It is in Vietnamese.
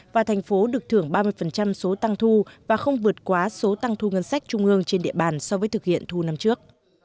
và thành phố được thưởng ba mươi số tăng thu và không vượt quá số tăng thu ngân sách trung ương trên địa bàn so với thực hiện thu năm trước